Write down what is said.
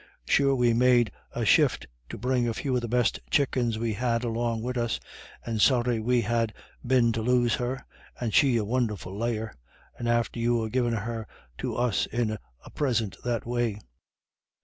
"Sure we made a shift to bring a few of the best chickens we had along wid us, and sorry we'd ha' been to lose her, and she a won'erful layer, and after you a givin' her to us in a prisint that way."